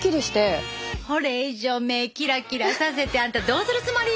これ以上目キラキラさせてあんたどうするつもり！